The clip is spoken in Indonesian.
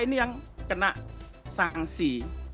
ini yang kena sanksi